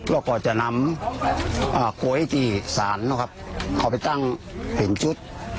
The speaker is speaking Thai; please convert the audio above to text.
เราก็จะนำโกยจีศาลเอาไปตั้งเป็นชุด